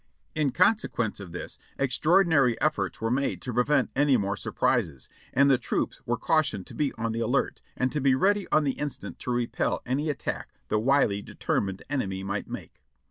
In consequence of this, extraordinary efforts were made to pre vent any more surprises, and the troops were cautioned to be on the alert, and be ready on the instant to repel any attack the wily, determined enemy might make.